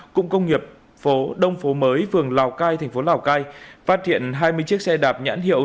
cụng công nghiệp phố đông phố mới phường lào cai thành phố lào cai phát hiện hai mươi chiếc xe đạp nhãn hiệu